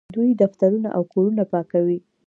دوی دفترونه او کورونه پاکوي.